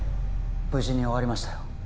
無事に終わりましたよ